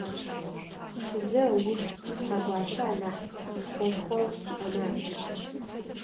Пшызэ ыуж Шъхьэгуащэ анахь псыхъошхоу тиӏэмэ ащыщ.